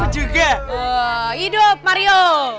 juga hidup mario